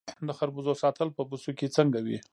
د خربوزو ساتل په بوسو کې څنګه وي؟